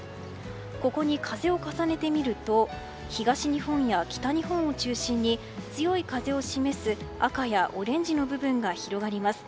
ここに風を重ねてみると東日本や北日本を中心に強い風を示す、赤やオレンジの部分が広がります。